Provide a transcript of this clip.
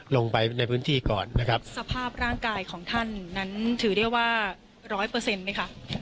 ลงไปในพื้นที่ก่อนนะครับสภาพร่างกายของท่านนั้นถือได้ว่าร้อยเปอร์เซ็นต์ไหมคะ